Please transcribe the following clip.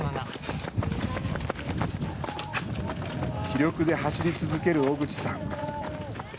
気力で走り続ける小口さん。